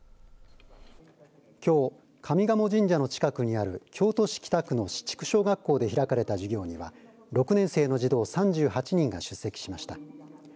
きょう上賀茂神社の近くにある京都市北区の紫竹小学校で開かれた授業には６年生の児童３８人が出席しました。